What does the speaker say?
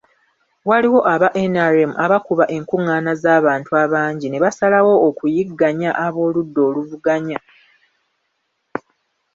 Waliwo aba NRM abakuba enkung'aana z'abantu abangi ne basalawo okuyigganya ab'oludda oluvuganya.